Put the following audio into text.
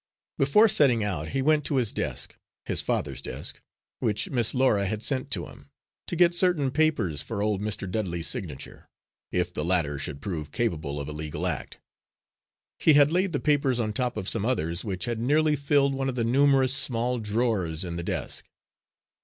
Before setting out, he went to his desk his father's desk, which Miss Laura had sent to him to get certain papers for old Mr. Dudley's signature, if the latter should prove capable of a legal act. He had laid the papers on top of some others which had nearly filled one of the numerous small drawers in the desk.